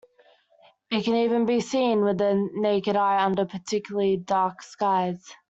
It can even be seen with the naked eye under particularly dark skies.